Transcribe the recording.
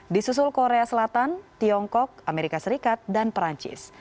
di susul korea selatan tiongkok amerika serikat dan perancis